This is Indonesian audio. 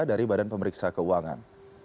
dari badan pemeriksa keuangan